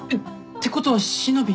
てことはしのび